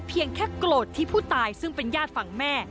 เพียงแค่โกรธที่ผู้ตายซึ่งเป็นญาติฝั่งแม่